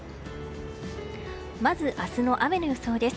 まず、朝の雨の予想です。